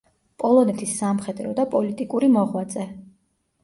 პოლონეთის სამხედრო და პოლიტიკური მოღვაწე.